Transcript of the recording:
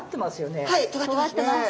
はいとがってますね。